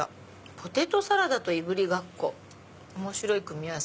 ポテトサラダといぶりがっこ面白い組み合わせ。